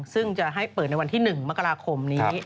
ซึ่งจะให้เปิดในวันที่๑มกราคมนี้